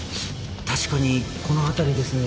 確かにこの辺りですね